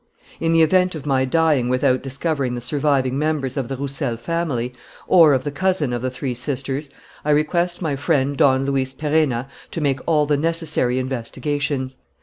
"In the event of my dying without discovering the surviving members of the Roussel family, or of the cousin of the three sisters, I request my friend Don Luis Perenna to make all the necessary investigations.